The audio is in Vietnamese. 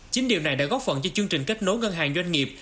chính điều này đã góp phần cho chương trình kết nối ngân hàng doanh nghiệp